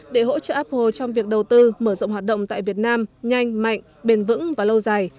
để hỗ trợ apple trong việc đầu tư mở rộng hoạt động tại việt nam nhanh mạnh bền vững và lâu dài